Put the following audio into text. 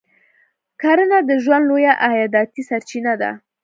کرنه یې د ژوند لویه عایداتي سرچینه ده.